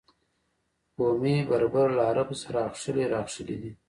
بومي بربر له عربو سره اخښلي راخښلي دي.